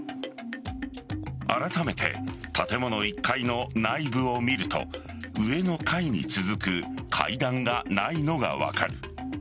あらためて建物１階の内部を見ると上の階に続く階段がないのが分かる。